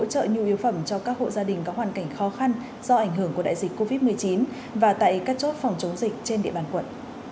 hỗ trợ nhu yếu phẩm cho các hộ gia đình có hoàn cảnh khó khăn do ảnh hưởng của đại dịch covid một mươi chín và tại các chốt phòng chống dịch trên địa bàn quận